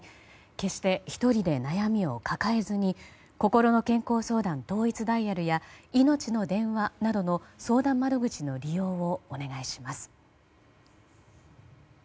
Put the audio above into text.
決して１人で悩みを抱えずにこころの健康相談統一ダイヤルやいのちの電話などの相談窓口の利用を、お願いします。